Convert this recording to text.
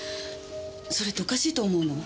それっておかしいと思うの。